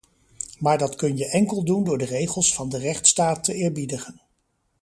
Maar dat kun je enkel doen door de regels van de rechtsstaat te eerbiedigen.